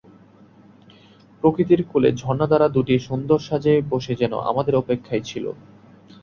প্রকৃতির কোলে ঝরনাধারা দুটি সুন্দর সাজে বসে যেন আমাদের অপেক্ষায় ছিল।